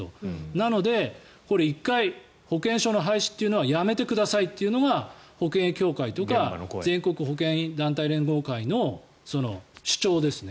なので１回、保険証の廃止というのはやめてくださいというのが保険医協会とか全国保険医団体連合会の主張ですよね。